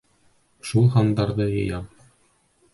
Шул һандарҙы йыям.